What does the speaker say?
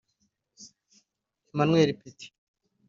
Emmanuel Petit